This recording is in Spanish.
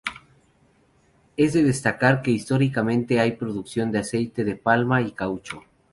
Es de destacar que históricamente hay producción de aceite de palma y caucho.